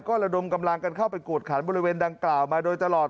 ก็ระดมกำลังกันเข้าไปกวดขันบริเวณดังกล่าวมาโดยตลอด